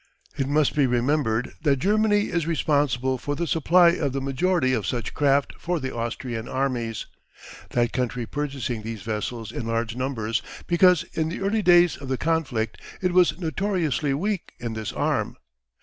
It must be remembered that Germany is responsible for the supply of the majority of such craft for the Austrian armies, that country purchasing these vessels in large numbers, because in the early days of the conflict it was notoriously weak in this arm.